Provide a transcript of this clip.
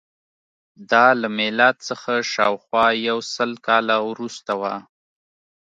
دا له میلاد څخه شاوخوا یو سل کاله وروسته وه